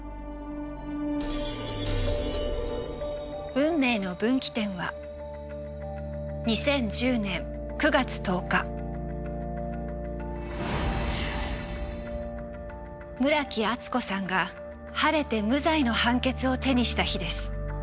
運命の分岐点は村木厚子さんが晴れて無罪の判決を手にした日です。